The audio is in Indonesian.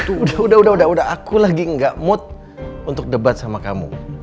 udah udah aku lagi gak mood untuk debat sama kamu